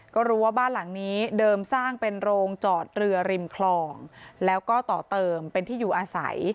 ก็รู้ว่าบ้านหลังนี้เดิมสร้างเป็นโรงจอดเรือริมคลองแล้วก็ต่อเติมเป็นที่อยู่อาศัย